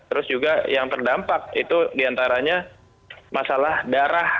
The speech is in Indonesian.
terus juga yang terdampak itu diantaranya masalah darah